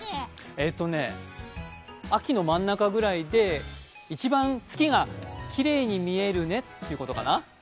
えーとね、秋の真ん中ぐらいで一番月がきれいに見えるねってことかな？